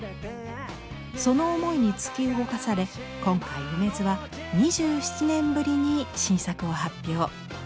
その思いに突き動かされ今回楳図は２７年ぶりに新作を発表。